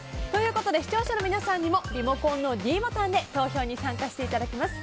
視聴者の皆さんにもリモコンのｄボタンで投票に参加していただきます。